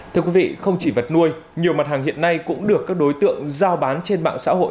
thưa quý vị không chỉ vật nuôi nhiều mặt hàng hiện nay cũng được các đối tượng giao bán trên mạng xã hội